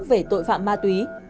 về tội phạm ma túy